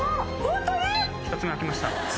１つ目開きました。